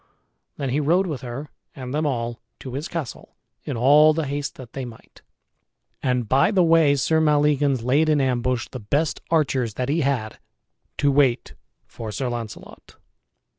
Then he rode with her and them all to his castle, in all the haste that they might. And by the way Sir Maleagans laid in ambush the best archers that he had to wait for Sir Launcelot.